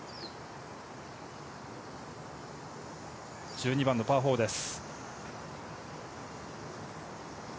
１２番のパー４です。